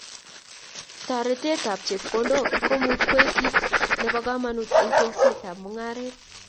Toretetab chepkondok komuchi koek kit nebo kamanut eng' tesetab mung'aret